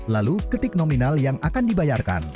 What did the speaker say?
lalu ketik nominal yang akan dibayarkan